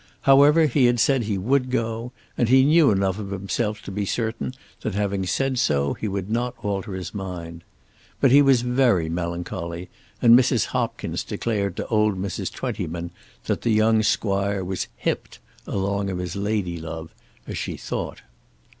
However he had said that he would go, and he knew enough of himself to be certain that having said so he would not alter his mind. But he was very melancholy and Mrs. Hopkins declared to old Mrs. Twentyman that the young squire was "hipped," "along of his lady love," as she thought.